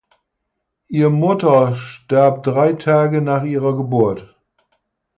Ihr Mutter starb drei Tage nach ihrer Geburt.